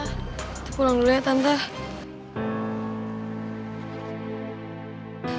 itu pulang dulu ya tante